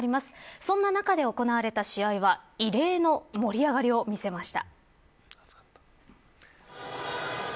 そんな中で行われた試合は異例の盛り上がりを見せました。